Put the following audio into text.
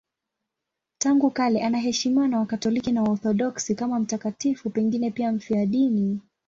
Tangu kale anaheshimiwa na Wakatoliki na Waorthodoksi kama mtakatifu, pengine pia mfiadini.